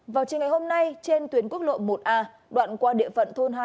vào chiều ngày hôm nay trên tuyến quốc lộ một a đoạn qua địa phận thôn hai